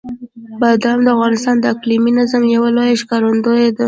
بادام د افغانستان د اقلیمي نظام یوه لویه ښکارندوی ده.